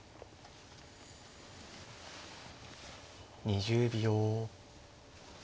２０秒。